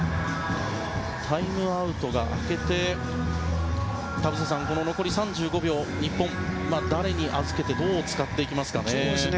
タイムアウトが明けて田臥さん、残り３５秒日本は誰に預けてどう使っていきますかね。